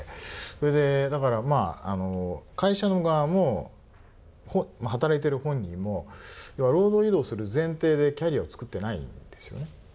それで会社の側も働いてる本人も労働移動する前提でキャリアを作ってないんですよね。